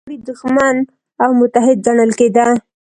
هونیان پیاوړی دښمن او متحد ګڼل کېده